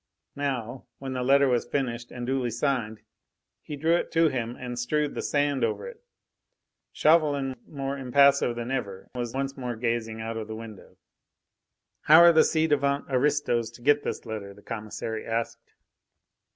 Now, when the letter was finished and duly signed, he drew it to him and strewed the sand over it. Chauvelin, more impassive than ever, was once more gazing out of the window. "How are the ci devant aristos to get this letter?" the commissary asked.